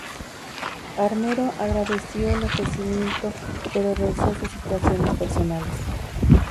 Armero agradeció el ofrecimiento, pero rehusó por situaciones personales.